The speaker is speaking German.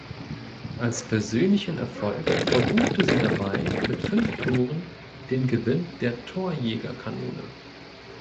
Als persönlichen Erfolg verbuchte sie dabei mit fünf Toren den Gewinn der Torjägerkanone.